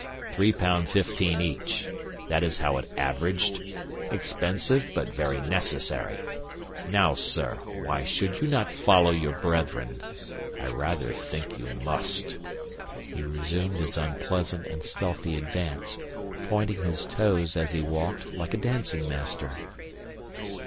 Three pound fifteen each that is how it averaged. Expensive, but very necessary. Now, sir, why should you not follow your brethren? I rather think you must." He resumed his unpleasant and stealthy advance, pointing his toes as he walked, like a dancing master.